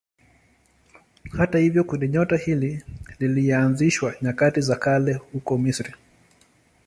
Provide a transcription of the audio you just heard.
Hata hivyo kundinyota hili lilianzishwa nyakati za kale huko Misri.